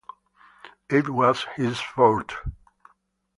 It was his "forte".